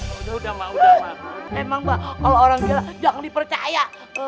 udah udah emang mbak kalo orang gila jangan dipercaya